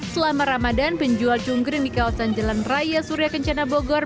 selama ramadan penjual cungkring di kawasan jalan raya surya kencana bogor